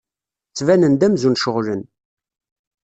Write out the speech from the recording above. Ttbanen-d amzun ceɣlen.